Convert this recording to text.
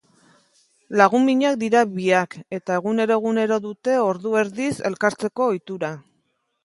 Lagun minak dira biak eta egunero-egunero dute ordu erdiz elkartzeko ohitura.